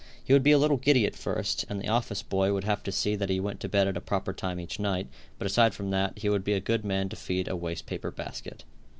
He would be a little giddy at first, and the office boy would have to see that he went to bed at a proper time each night, but aside from that, he would be a good man to feed a waste paper basket.